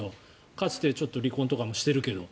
かつてちょっと離婚とかもしているけど。